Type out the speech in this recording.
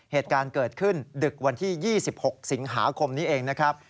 เหตุการณ์เกิดขึ้นดึกวันที่๒๖สิงหาคมนี้เองนะครับ